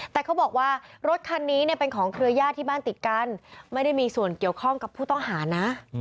แต่เขาบอกว่ารถคันนี้เนี่ยเป็นของเครือญาติที่บ้านติดกันไม่ได้มีส่วนเกี่ยวข้องกับผู้ต้องหานะ